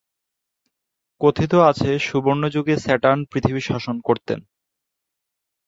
কথিত আছে, সুবর্ণ যুগে স্যাটার্ন পৃথিবী শাসন করতেন।